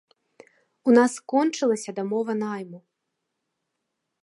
У нас скончылася дамова найму.